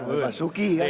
ya pak basuki ya